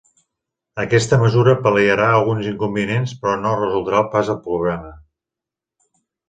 Aquesta mesura pal·liarà alguns inconvenients, però no resoldrà pas el problema.